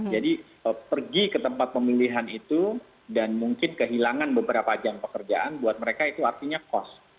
jadi pergi ke tempat pemilihan itu dan mungkin kehilangan beberapa jam pekerjaan buat mereka itu artinya kos